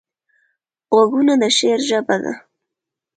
غوږونه د شعر ژبه ده